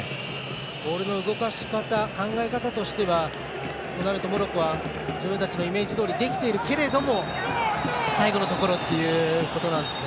ボールの動かし方考え方としては、モロッコは自分たちのイメージどおりできているけれども最後のところということなんですね。